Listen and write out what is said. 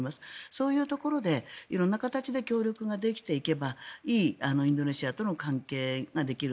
そういうところで、色んな形で協力ができていけばいいインドネシアとの関係ができる。